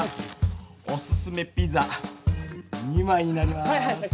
おすすめピザ２枚になります。